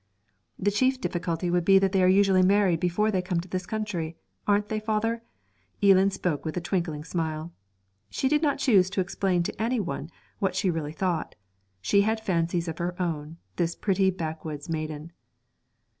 'The chief difficulty would be that they are usually married before they come to this country aren't they, father?' Eelan spoke with a twinkling smile. She did not choose to explain to any one what she really thought; she had fancies of her own, this pretty backwoods maiden.